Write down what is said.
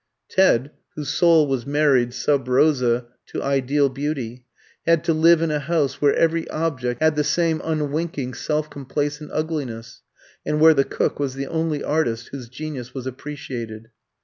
Ted, whose soul was married sub rosa to ideal beauty, had to live in a house where every object had the same unwinking self complacent ugliness, and where the cook was the only artist whose genius was appreciated.